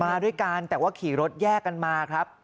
มาด้วยกันแต่ว่าขี่รถแยกกันมาครับ